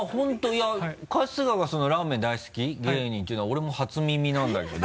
いや春日がそのラーメン大好き芸人ていうのは俺も初耳なんだけど。